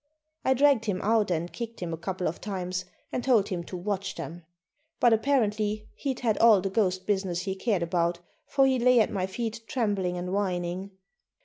I dragged him out and kicked him a couple of times and told him to "watch them." But apparently he'd had all the ghost business he cared about, for he lay at my feet trembling and whining.